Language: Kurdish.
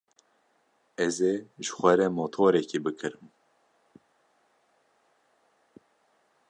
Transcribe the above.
Ez ê ji xwe re motorekî bikirim.